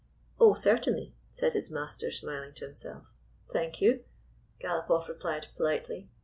"Oh, certainly," said his master, smiling to himself. "Thank you," Galopoff replied politely.